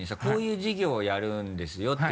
「こういう事業をやるんですよ」